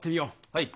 はい。